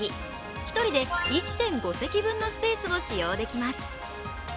１人で１．５席分のスペースを使用できます。